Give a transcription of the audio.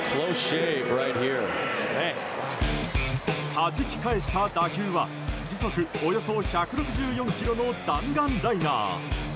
はじき返した打球は時速およそ１６４キロの弾丸ライナー。